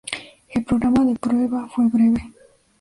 El programa de prueba fue breve.